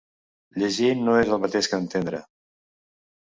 Llegir no és el mateix que entendre.